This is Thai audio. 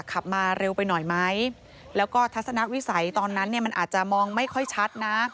ขับมาเร็วไปหน่อยไหมแล้วก็ทัศนวิสัยตอนนั้นเนี่ยมันอาจจะมองไม่ค่อยชัดนะ